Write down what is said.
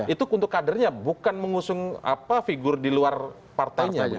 itu untuk kadernya bukan mengusung figur di luar partainya